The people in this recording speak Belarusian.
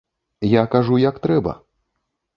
Я кажу як трэба.